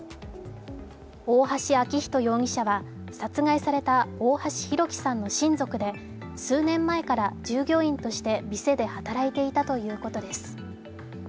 大橋昭仁容疑者は、殺害された大橋弘輝さんの親族で、数年前から従業員として店で働いていたということです。